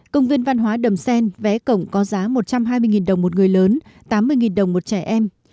công viên văn hóa đầm xen vé cổng có giá một trăm hai mươi đồng một người lớn tám mươi đồng một trẻ em